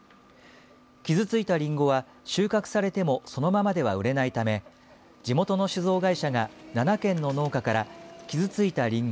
傷ついたりんごは収穫されてもそのままでは売れないため地元の酒造会社が７軒の農家から傷ついたりんご